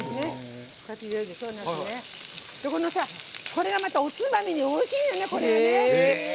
これがまたおつまみにおいしいのね。